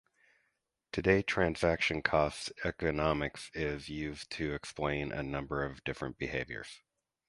Today, transaction cost economics is used to explain a number of different behaviours.